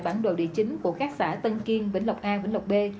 bản đồ địa chính của các xã tân kiên vĩnh lộc a vĩnh lộc b